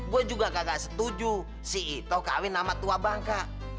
gue juga kagak setuju si ito kawin nama tua bangka